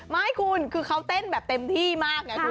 ให้ฆ่ามากคือเค้าเต้นแบบเต็มที่มาก